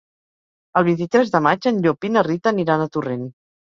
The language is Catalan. El vint-i-tres de maig en Llop i na Rita aniran a Torrent.